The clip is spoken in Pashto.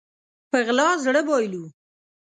په غلا زړه بايلو